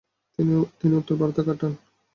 তিনি উত্তর ভারতে কাটান।